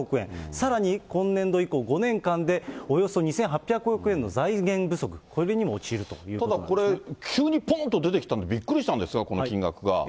さらに今年度以降５年間でおよそ２８００億円の財源不足、ただこれ、急にぽんと出てきたんでびっくりしたんですが、この金額が。